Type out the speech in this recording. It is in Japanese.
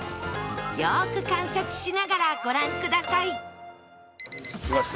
よく観察しながらご覧ください